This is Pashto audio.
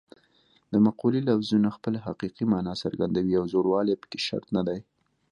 د مقولې لفظونه خپله حقیقي مانا څرګندوي او زوړوالی پکې شرط نه دی